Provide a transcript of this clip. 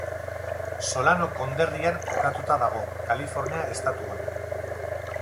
Solano konderrian kokatuta dago, Kalifornia estatuan.